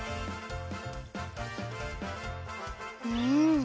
うん。